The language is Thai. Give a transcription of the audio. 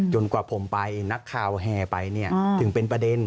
กว่าผมไปนักข่าวแห่ไปถึงเป็นประเด็น